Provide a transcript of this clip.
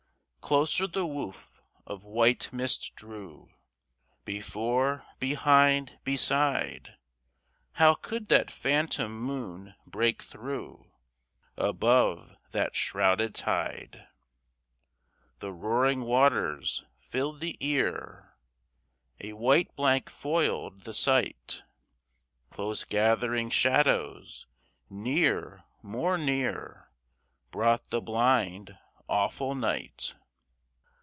Closer the woof of white mist drew, Before, behind, beside. How could that phantom moon break through, Above that shrouded tide? The roaring waters filled the ear, A white blank foiled the sight. Close gathering shadows near, more near, Brought the blind, awful night.